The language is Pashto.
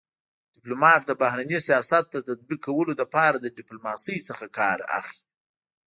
ډيپلومات دبهرني سیاست د تطبيق کولو لپاره د ډيپلوماسی څخه کار اخلي.